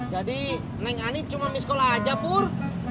jadi neng ani cuma miss call aja pur